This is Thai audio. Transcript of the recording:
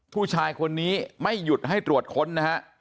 ผู้ชายคนนี้ไม่หยุดให้ตรวจค้นนะฮะ